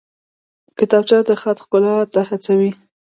کتابچه د خط ښکلا ته هڅوي